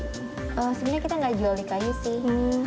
sebenarnya kita nggak jual di kayu sih